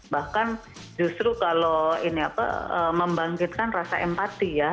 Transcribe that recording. bahkan justru kalau membangkitkan rasa empati ya